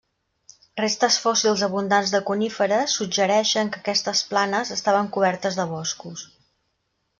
Restes fòssils abundants de coníferes suggereixen que aquestes planes estaven cobertes de boscos.